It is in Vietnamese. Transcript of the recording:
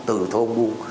từ thôn bu